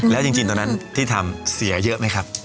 แล้วจริงตอนนั้นที่ทำเสียเยอะไหมครับ